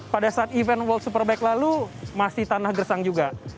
pada saat event world superbike lalu masih tanah gersang juga